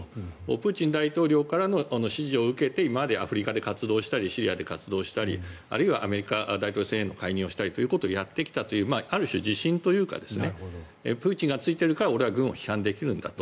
プーチン大統領からの指示を受けて今までアフリカで活動したりシリアで活動したりあるいはアメリカ大統領選への介入をするということをやってきたというある種、自信というかプーチンがついているから俺は軍を批判できるんだと。